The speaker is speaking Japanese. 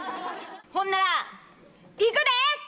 ほんならいくで！